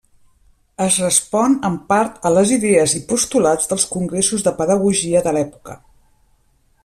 Es respon en part a les idees i postulats dels congressos de pedagogia de l'època.